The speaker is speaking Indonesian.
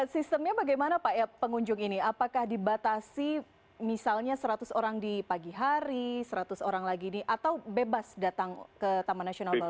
sistemnya bagaimana pak pengunjung ini apakah dibatasi misalnya seratus orang di pagi hari seratus orang lagi ini atau bebas datang ke taman nasional